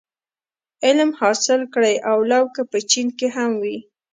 علم حاصل کړی و لو که په چين کي هم وي.